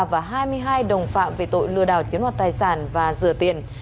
và hai mươi hai đồng phạm về tội lừa đảo chiếm đoạt tài sản và rửa tiền